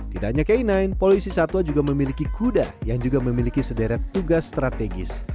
tidak hanya k sembilan polisi satwa juga memiliki kuda yang juga memiliki sederet tugas strategis